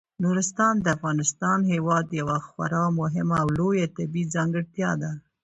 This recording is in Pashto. نورستان د افغانستان هیواد یوه خورا مهمه او لویه طبیعي ځانګړتیا ده.